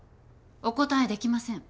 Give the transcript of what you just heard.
お答えできません。